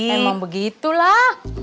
emang begitu lah